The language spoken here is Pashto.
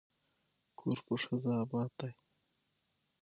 کور په ښځه اباد دی.